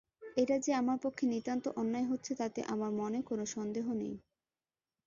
এটা যে আমার পক্ষে নিতান্ত অন্যায় হচ্ছে তাতে আমার মনে কোনো সন্দেহ নেই।